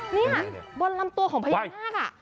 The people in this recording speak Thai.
นี่บนลำตัวของพญานาค